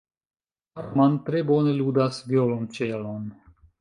Armand tre bone ludas violonĉelon.